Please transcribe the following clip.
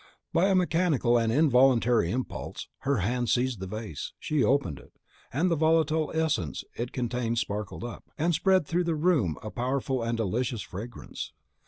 By a mechanical and involuntary impulse, her hand seized the vase; she opened it, and the volatile essence it contained sparkled up, and spread through the room a powerful and delicious fragrance.